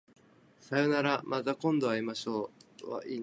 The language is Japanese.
さようならまた今度会いましょう